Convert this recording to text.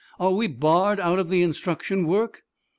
Are we barred out of the instruction work?"